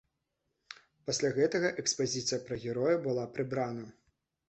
Пасля гэтага экспазіцыя пра героя была прыбрана.